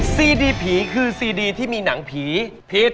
ซีดีผีคือซีดีที่มีหนังผีผิด